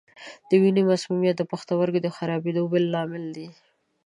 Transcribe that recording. د وینې مسمومیت د پښتورګو د خرابېدو بل لامل دی.